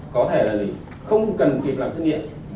có thể là gì không cần việc làm xét nghiệm